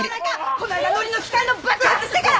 こないだのりの機械の爆発してから！